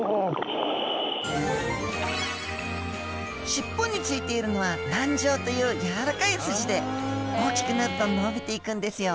尻尾に付いているのは軟条というやわらかいスジで大きくなると伸びていくんですよ